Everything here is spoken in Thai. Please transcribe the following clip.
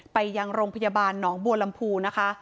ไปยังโรงพยาบาลหนองบัวลำพูนะคะ